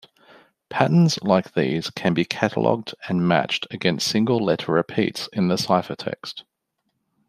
Patterns like these can be cataloged and matched against single-letter repeats in the ciphertext.